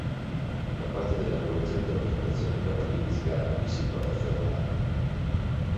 Fa parte della collezione della Fondazione Cavallini-Sgarbi, situata a Ferrara.